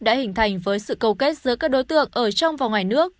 đã hình thành với sự cầu kết giữa các đối tượng ở trong và ngoài nước